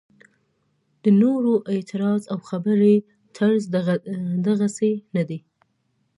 د نورو اعتراض او خبرې طرز دغسې نه دی.